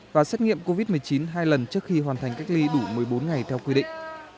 và xét nghiệm covid một mươi chín hai lần trước khi hoàn thành cách ly đủ một mươi bốn ngày theo quy định